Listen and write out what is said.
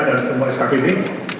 dan semua skp ini